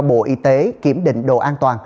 bộ y tế kiểm định độ an toàn